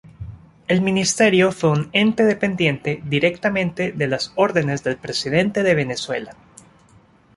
El ministerio fue un ente dependiente directamente de las órdenes del presidente de Venezuela.